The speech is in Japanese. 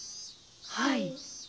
はい。